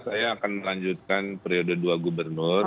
saya akan melanjutkan periode dua gubernur